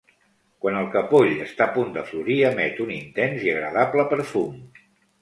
Quan el capoll està a punt de florir, emet un intens i agradable perfum.